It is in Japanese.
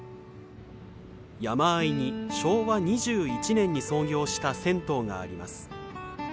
山あいに昭和２１年に創業した銭湯があります。